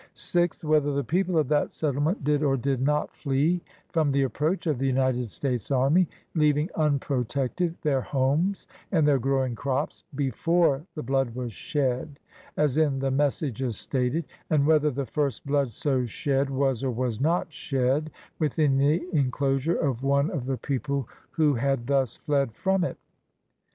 Sixth. Whether the people of that settlement did or did not flee from the approach of the United States army, leav ing unprotected their homes and their growing crops, before the blood was shed, as in the messages stated; and whether the first blood so shed was or was not shed within the inclosure of one of the people who had thus fled from it.